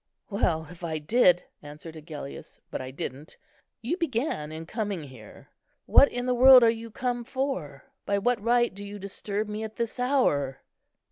"Well, if I did," answered Agellius; "but I didn't. You began in coming here; what in the world are you come for? by what right do you disturb me at this hour?"